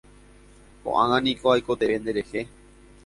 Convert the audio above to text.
Ko'ág̃a niko aikotevẽ nderehe.